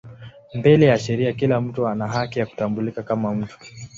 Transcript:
Mbele ya sheria kila mtu ana haki ya kutambulika kama mtu.